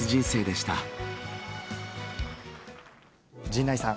陣内さん。